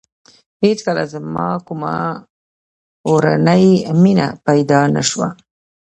هېڅکله زما کومه اورنۍ مینه پیدا نه شوه.